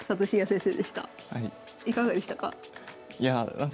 いかがでしたか？